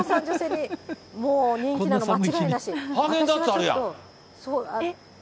もう人気なの間違いなし。